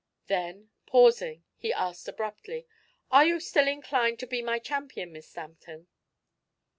Then, pausing, he asked abruptly: "Are you still inclined to be my champion, Miss Stanton?"